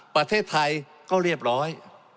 ประเทศไทยก็เรียบร้อย